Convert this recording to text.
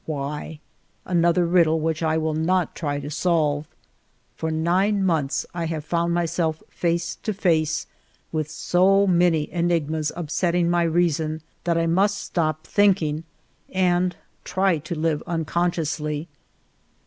Why ? Another riddle which I will not try to solve. For nine months I have found myself face to face with so many enigmas upsetting my reason, that I must stop thinking and try to live unconsciously.